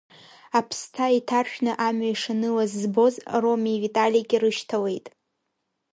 Аԥсҭа иҭаршәны амҩа ишанылаз збоз Ромеи Виталики рышьҭалеит.